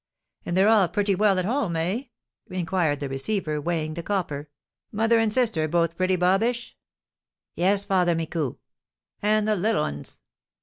"And they're all pretty well at home, eh?" inquired the receiver, weighing the copper; "mother and sister, both pretty bobbish?" "Yes, Father Micou." "And the little uns?"